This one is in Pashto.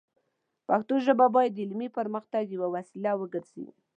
پښتو ژبه باید د علمي پرمختګ یوه وسیله وګرځي.